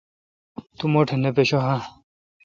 تو مہ ٹھ نہ پشہ اہ؟